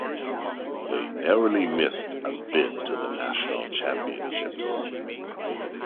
They narrowly missed a bid to the national championships.